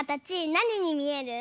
なににみえる？